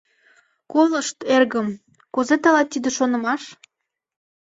Колышт, эргым, кузе тылат тиде шонымаш?..